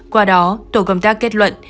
qua đó tổ công tác kết luận